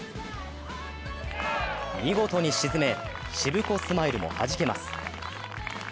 見事に沈め、しぶこスマイルもはじけます。